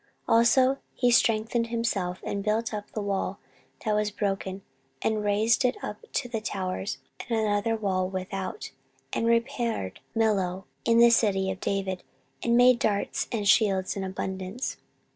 14:032:005 Also he strengthened himself, and built up all the wall that was broken, and raised it up to the towers, and another wall without, and repaired Millo in the city of David, and made darts and shields in abundance.